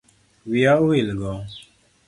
Wiya owil go